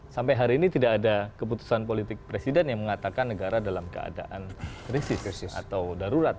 sampai hari ini tidak ada keputusan politik presiden yang mengatakan negara dalam keadaan krisis krisis atau darurat